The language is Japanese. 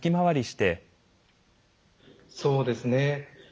そうですね。